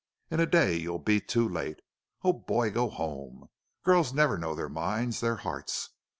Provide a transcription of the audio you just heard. In a day you'll be too late.... Oh, boy, go home! Girls never know their minds their hearts.